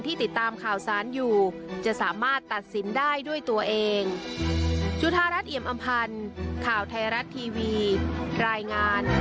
ติดตามข่าวสารอยู่จะสามารถตัดสินได้ด้วยตัวเอง